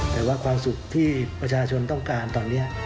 แต่ว่าความสุขที่ประชาชนต้องการตอนนี้